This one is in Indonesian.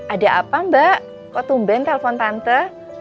ada apa mbak kok tumben telfon tante